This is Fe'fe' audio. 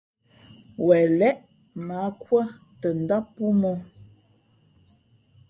Wen lěʼ mα ǎ kūᾱ tα ndám póómᾱ ǒ.